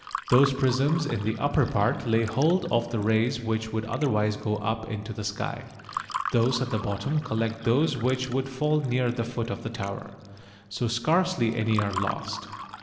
Those prisms in the upper part lay hold of the rays which would otherwise go up into the sky. Those at the bottom collect those which would fall near the foot of the tower. So scarcely any are lost.